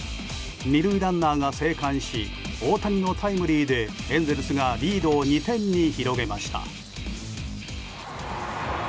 ２塁ランナーが生還し大谷のタイムリーでエンゼルスがリードを２点に広げました。